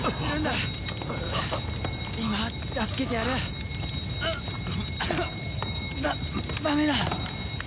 ダダメだ。